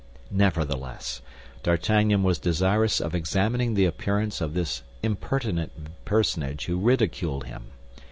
Nevertheless, D'Artagnan was desirous of examining the appearance of this impertinent personage who ridiculed him.